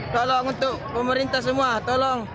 tolong untuk pemerintah semua tolong